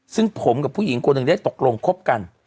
ซึ่งผมกับผู้หญิงคนหนึ่งได้ตกลงคบกัน